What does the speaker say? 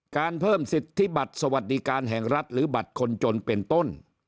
เพิ่มสิทธิบัตรสวัสดิการแห่งรัฐหรือบัตรคนจนเป็นต้น